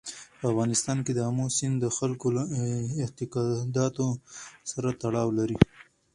په افغانستان کې آمو سیند د خلکو له اعتقاداتو سره تړاو لري.